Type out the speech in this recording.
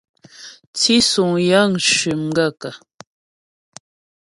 Tísuŋ yəŋ cʉ́ m gaə̂kə̀ ?